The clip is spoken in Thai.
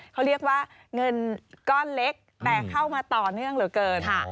เขาเรียกว่าเงินก้อนเล็กแต่เข้ามาต่อเนื่องเหลือเกิน